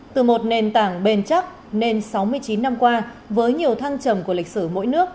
từ một nền tảng bền chắc nên sáu mươi chín năm qua với nhiều thăng trầm của lịch sử mỗi nước